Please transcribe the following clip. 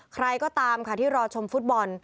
ใครก็ตามค่ะที่รอชมฟุตบอล